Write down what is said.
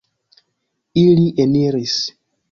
Ili eniris.